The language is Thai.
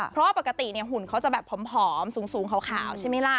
เพราะปกติหุ่นเขาจะแบบผอมสูงขาวใช่ไหมล่ะ